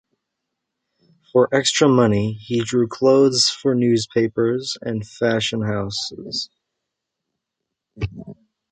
For extra money, he drew clothes for newspapers and fashion houses.